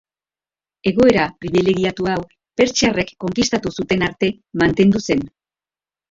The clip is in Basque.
Egoera pribilegiatu hau, pertsiarrek konkistatu zuten arte mantendu zen.